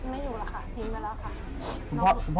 ไม่อยู่แล้วค่ะทิ้งไว้แล้วค่ะ